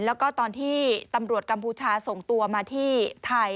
แล้วก็ตอนที่ตำรวจกัมพูชาส่งตัวมาที่ไทย